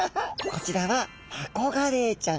こちらはマコガレイちゃん。